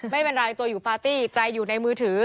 ไม่เป็นไรตัวอยู่ปาร์ตี้ใจอยู่ในมือถือ